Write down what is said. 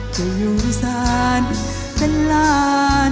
จะอยู่สานเป็นลานเยอะมอง